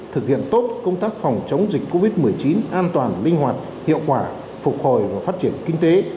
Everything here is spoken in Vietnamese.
thực hiện tốt công tác phòng chống dịch covid một mươi chín an toàn linh hoạt hiệu quả phục hồi và phát triển kinh tế